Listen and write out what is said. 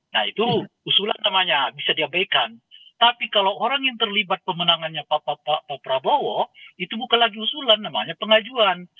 nah itu usulan namanya bisa diabaikan tapi kalau orang yang terlibat pemenangannya pak prabowo itu bukan lagi usulan namanya pengajuan